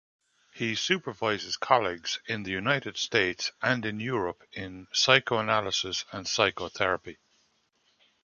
He supervises colleagues in the United States and in Europe in psychoanalysis and psychotherapy.